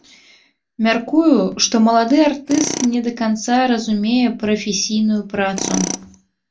Мяркую, што малады артыст не да канца разумее прафесійную працу.